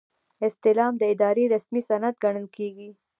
استعلام د ادارې رسمي سند ګڼل کیږي.